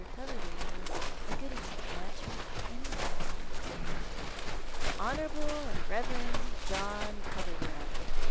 Coverdaie is a good enough match for any young •woman." " The Honourable and Pieverend John Coverdaie